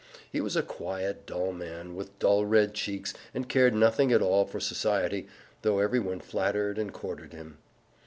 He was a quiet, dull man, with dull red cheeks, and cared nothing at all for society, though everybody flattered and courted him.